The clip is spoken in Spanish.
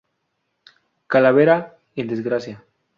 Calavera en desgracia.